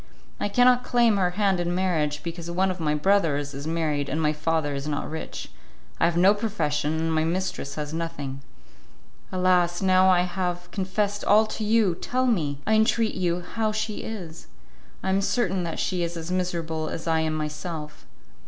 I cannot claim her hand in marriage, because one of my brothers is married, and my father is not rich; I have no profession, and my mistress has nothing. Alas, now that I have confessed all to you, tell me, I entreat you, how she is. I am certain that she is as miserable as I am myself.